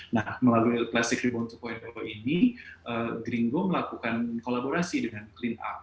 nah melalui plastik rebound dua ini gringo melakukan kolaborasi dengan clean up